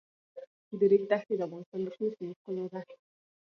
د ریګ دښتې د افغانستان د شنو سیمو ښکلا ده.